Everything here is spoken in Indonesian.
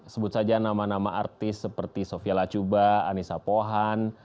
sebut saja nama nama artis seperti sofia lachuba anissa pohan